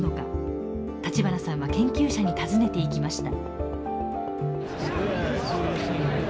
立花さんは研究者に尋ねていきました。